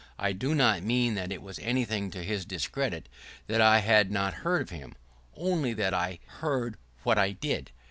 I do not mean that it was anything to his discredit that I had not heard of him, only that I heard what I did.